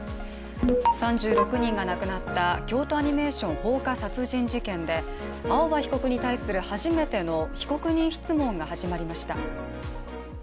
３６人が亡くなった京都アニメーション放火殺人事件で青葉被告に対する初めての被告人質問が始まりました。